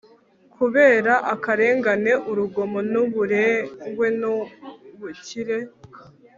kubera akarengane, urugomo n'umurengwe n'ubukire